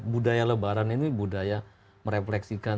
budaya lebaran ini budaya merefleksikan